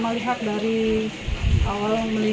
mulai ada perbaikan evaluasi